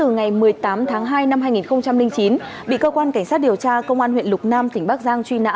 ngày một mươi tám tháng hai năm hai nghìn chín bị cơ quan cảnh sát điều tra công an huyện lục nam tỉnh bắc giang truy nã